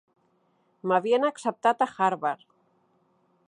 M'havien acceptat a Harvard!